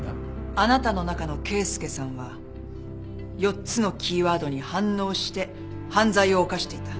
あなたの中の啓介さんは４つのキーワードに反応して犯罪を犯していた。